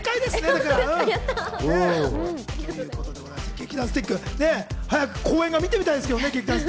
劇団スティック、早く公演が見てみたいですけどね。